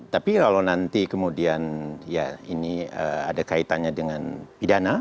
tapi kalau nanti kemudian ya ini ada kaitannya dengan pidana